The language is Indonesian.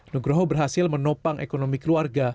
nugroho berhasil menopang ekonomi keluarga